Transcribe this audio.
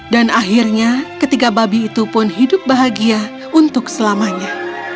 dan akhirnya ketiga babi itu pun hidup bahagia untuk selamanya